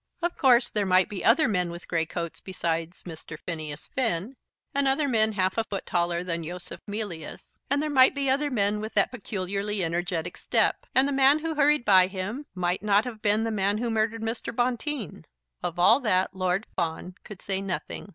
Of course there might be other men with grey coats besides Mr. Phineas Finn, and other men half a foot taller than Yosef Mealyus. And there might be other men with that peculiarly energetic step. And the man who hurried by him might not have been the man who murdered Mr. Bonteen. Of all that Lord Fawn could say nothing.